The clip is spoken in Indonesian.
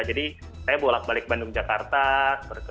jadi saya bolak balik bandung jakarta